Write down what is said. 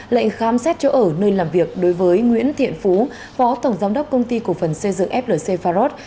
lệnh khám xét chỗ ở nơi làm việc đối với nguyễn thiện phú phó tổng giám đốc công ty cổ phần xây dựng flc pharos